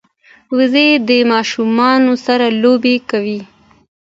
وزې د ماشومانو سره لوبې کوي